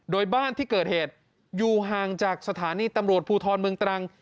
โดยบ้านที่เกิดเหตุอยู่ห่างจากสถานีตำรวจภูทรเมืองตรัง